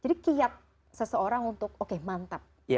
jadi kiat seseorang untuk oke mantap